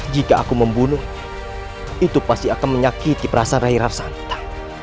jika aku membunuhnya itu pasti akan menyakiti perasaan rairar santa